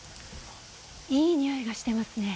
いいにおいがしてますね。